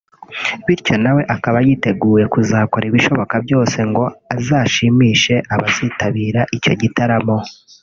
bityo nawe akaba yiteguye kuzakora ibishoboka byose ngo azashimishe abazitabira icyo gitaramo